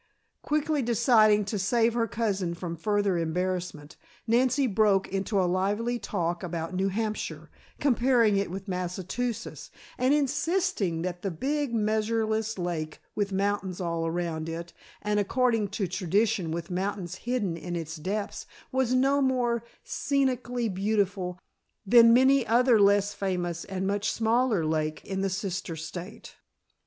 Quickly deciding to save her cousin from further embarrassment, Nancy broke into a lively talk about New Hampshire, comparing it with Massachusetts, and insisting that the big, measureless lake, with mountains all around it, and according to tradition with mountains hidden in its depth, was no more scenically beautiful than many another less famous and much smaller lake in the sister state.